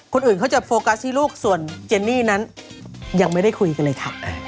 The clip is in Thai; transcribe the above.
คนอื่นเขาจะโฟกัสที่ลูกส่วนเจนนี่นั้นยังไม่ได้คุยกันเลยค่ะ